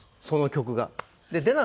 その曲は。